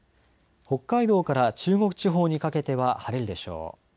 北海道から中国地方にかけては晴れるでしょう。